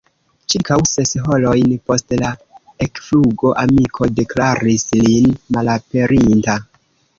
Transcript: Ĉirkaŭ ses horojn post la ekflugo amiko deklaris lin malaperinta.